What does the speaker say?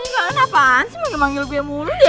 si kan apaan sih manggil manggil gue mulu deh